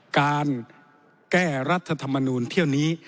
การแก้รัฐธรรมนูลเที่ยวนี้